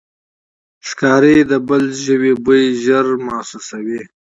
ښکاري د بلې ژوي بوی ژر احساسوي.